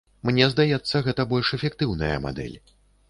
Мне здаецца, гэта больш эфектыўная мадэль.